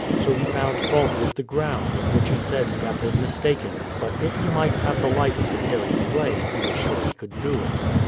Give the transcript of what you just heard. So he found fault with the ground, in which he said he had been mistaken; but if he might have the lighter to carry clay, he was sure he could do it.